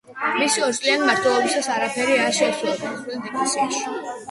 მისი ორწლიანი მმართველობისას არაფერი არ შეცვლილა დასავლეთის ეკლესიაში.